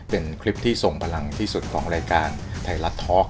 เป็นคลิปที่ส่งพลังที่สุดของรายการไทยรัฐท็อก